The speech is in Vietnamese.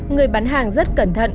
người bán hàng rất cẩn thận